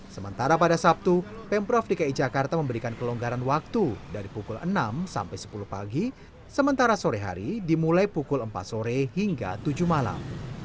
sementara pada sabtu pemprov dki jakarta memberikan kelonggaran waktu dari pukul enam sampai sepuluh pagi sementara sore hari dimulai pukul empat sore hingga tujuh malam